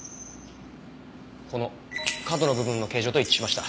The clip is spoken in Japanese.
この角の部分の形状と一致しました。